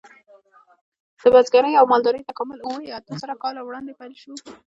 د بزګرۍ او مالدارۍ تکامل اوه یا اته زره کاله وړاندې پیل شو.